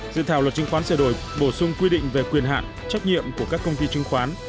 dự thảo luật chứng khoán sửa đổi bổ sung quy định về quyền hạn trách nhiệm của các công ty chứng khoán